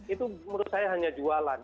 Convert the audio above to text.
itu menurut saya hanya jualan